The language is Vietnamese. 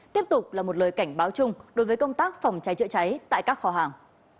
tiếp tục là một lời cảnh báo chung đối với công tác phòng cháy chữa cháy tại các kho hàng